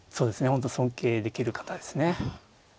本当尊敬できる方ですね。